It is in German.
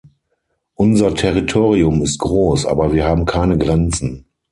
Unser Territorium ist groß, aber wir haben keine Grenzen.